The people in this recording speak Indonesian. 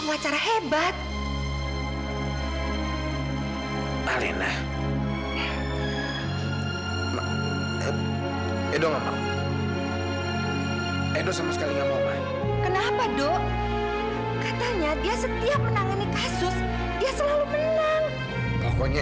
syarat syarat apa